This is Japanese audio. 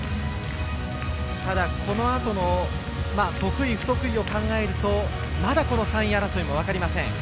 ただ、このあとの得意、不得意を考えるとまだ３位争いも分かりません。